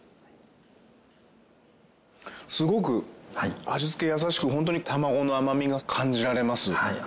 すごく味付け優しくホントにたまごの甘みが感じられます。